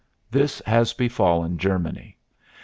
This has befallen Germany.